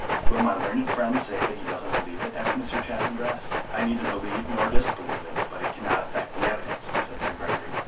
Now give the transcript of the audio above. "Will my learned friend say that he doesn't believe it?" asked Mr. Chaffanbrass. "I neither believe nor disbelieve it; but it cannot affect the evidence," said Sir Gregory.